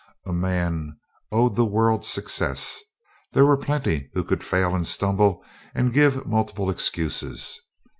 A man owed the world success; there were plenty who could fail and stumble and give multiple excuses.